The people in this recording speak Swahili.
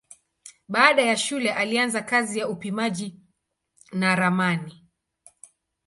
Baada ya shule alianza kazi ya upimaji na ramani.